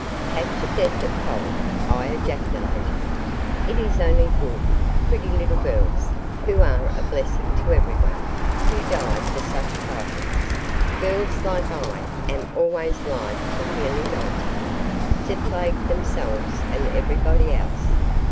"Catch a death of cold!" I ejaculated. "It is only good, pretty little girls, who are a blessing to everyone, who die for such trifles; girls like I am always live till nearly ninety, to plague themselves and everybody else.